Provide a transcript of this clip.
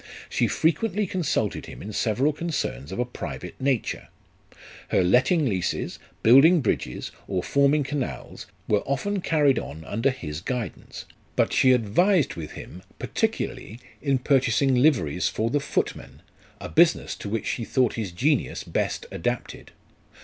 She frequently consulted him in several concerns of a private nature. Her letting leases, building bridges, or forming canals, were often carried on under his guidance ; but she advised with him particularly in purchasing liveries for LIFE OF RICHARD NASH. 77 the footmen ; a business to which she thought his genius best adapted.